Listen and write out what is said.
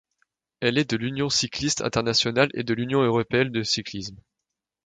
Elle est membre de l'Union cycliste internationale et de l'Union européenne de cyclisme.